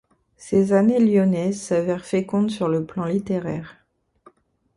Ces années lyonnaises s'avèrent fécondes sur le plan littéraire.